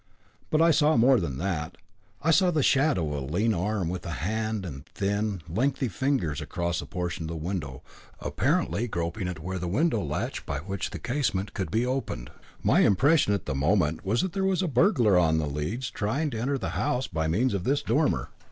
But I saw more than that: I saw the shadow of a lean arm with a hand and thin, lengthy fingers across a portion of the window, apparently groping at where was the latch by which the casement could be opened. My impression at the moment was that there was a burglar on the leads trying to enter the house by means of this dormer.